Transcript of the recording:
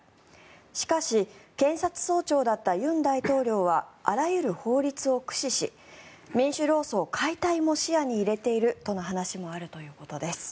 しかし検察総長だった尹大統領はあらゆる法律を駆使し民主労総解体も視野に入れているとの話もあるということです。